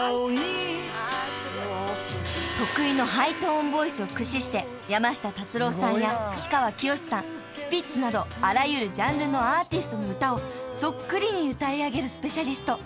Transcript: ［得意のハイトーンボイスを駆使して山下達郎さんや氷川きよしさんスピッツなどあらゆるジャンルのアーティストの歌をそっくりに歌い上げるスペシャリスト］